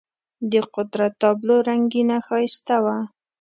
د قدرت تابلو رنګینه ښایسته وه.